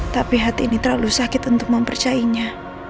tapi hati ini terlalu sakit untuk mempercayainya